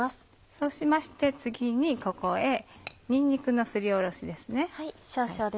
そうしまして次にここへにんにくのすりおろしですね。